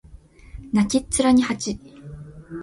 泣きっ面に蜂